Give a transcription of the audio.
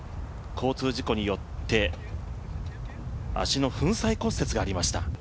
交通事故によって、足の粉砕骨折がありました。